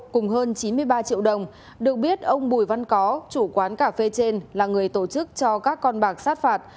cùng hơn chín mươi ba triệu đồng được biết ông bùi văn có chủ quán cà phê trên là người tổ chức cho các con bạc sát phạt